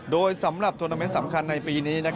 โดยสำหรับโทรแมนสำคัญในปีนี้